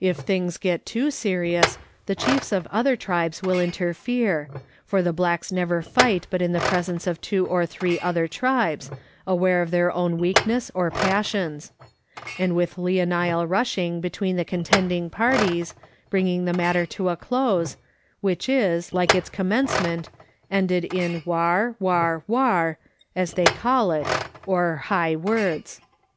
If things get too serious, the chiefs of other tribes will interfere (for the blacks never fight but in the presence of two or three other tribes, aware of their own weakness or passions), and with leonile rushing between the contending parties, bring the matter to a close, which is, like its commencement, ended in war, war, war, as they call it, or high words.